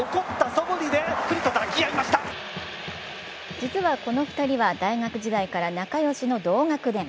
実はこの２人は大学時代から仲良しの同学年。